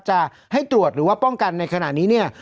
จะให้ตรวจหรือว่าป้องกันในขณะนี้เนี่ย